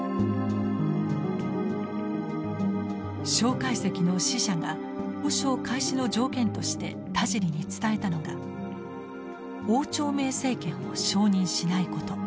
介石の使者が交渉開始の条件として田尻に伝えたのが汪兆銘政権を承認しないこと。